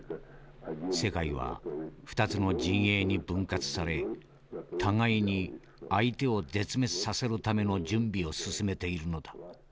世界は２つの陣営に分割され互いに相手を絶滅させるための準備を進めているのだ。